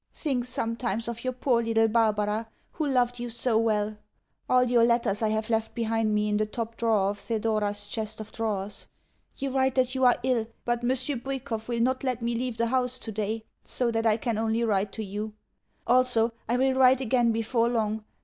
Think sometimes of your poor little Barbara who loved you so well. All your letters I have left behind me in the top drawer of Thedora's chest of drawers... You write that you are ill, but Monsieur Bwikov will not let me leave the house today; so that I can only write to you. Also, I will write again before long.